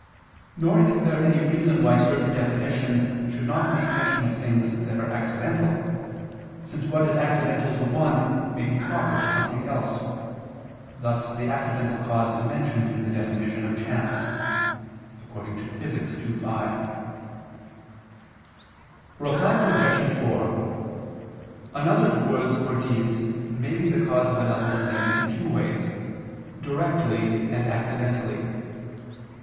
Nor is there any reason why certain definitions should not make mention of things that are accidental, since what is accidental to one, may be proper to something else: thus the accidental cause is mentioned in the definition of chance (Phys. ii, 5). Reply Obj. 4: Another's words or deed may be the cause of another's sin in two ways, directly and accidentally.